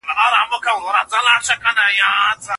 مرګ انسان له بدو بدبختیو ژغوري.